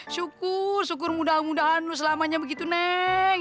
syukur syukur mudah mudahan selamanya begitu neng